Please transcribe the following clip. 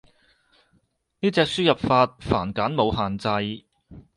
呢隻輸入法繁簡冇限制